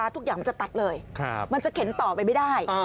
ทุกอย่างมันจะตัดเลยมันจะเข็นต่อไปไม่ได้